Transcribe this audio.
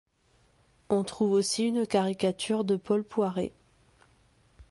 On trouve aussi une caricature de Paul Poiret.